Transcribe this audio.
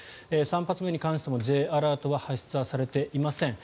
３発目に関してもＪアラートは発出されていません。